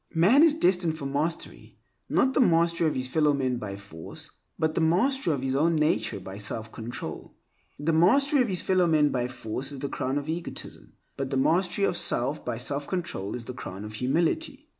Man is destined for mastery; not the mastery of his fellow men by force, but the mastery of his own nature by self control. The mastery of his fellow men by force is the crown of egotism, but the mastery of self by self control is the crown of humility.